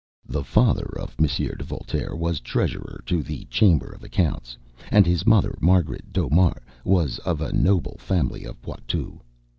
The father of M. de Voltaire was treasurer to the Chamber of Accounts, and his mother, Margaret d'Aumart, was of a noble family of Poitou.